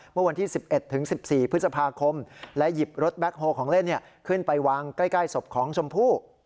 เมื่อวันที่๑๑ถึง๑๔พฤษภาคมและหยิบรถแบ็คโฮของเล่นขึ้นไปวางใกล้ศพของชมพู่